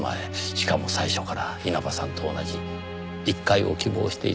しかも最初から稲葉さんと同じ１階を希望していたそうです。